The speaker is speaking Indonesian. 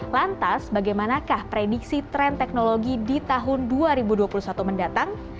lantas bagaimanakah prediksi tren teknologi di tahun dua ribu dua puluh satu mendatang